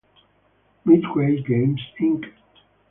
Midway Games, Inc.